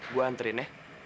gue anterin ya